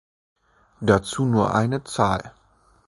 Dazu nur eine Zahl.